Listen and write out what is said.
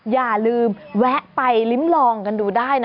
อย่าลืมแวะไปลิ้มลองกันดูได้นะ